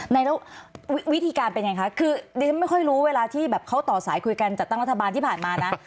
แล้ววิธีการเป็นไงคะคือดิฉันไม่ค่อยรู้เวลาที่แบบเขาต่อสายคุยกันจัดตั้งรัฐบาลที่ผ่านมานะ